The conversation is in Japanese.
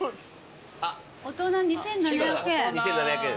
大人２，７００円。